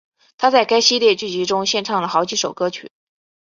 她在该系列剧集中献唱了好几首歌曲。